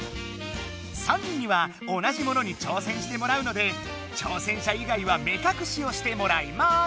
３人には同じものに挑戦してもらうので挑戦者いがいは目かくしをしてもらいます。